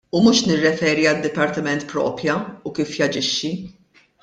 U mhux nirreferi għad-dipartiment proprja u kif jaġixxi.